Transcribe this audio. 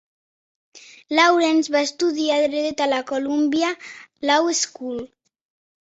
Lawrence va estudiar Dret a la Columbia Law School.